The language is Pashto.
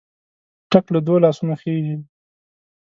ټک له دوو لاسونو خېژي.